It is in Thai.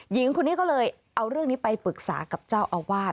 หญิงคนนี้ก็เลยเอาเรื่องนี้ไปปรึกษากับเจ้าอาวาส